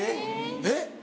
えっ？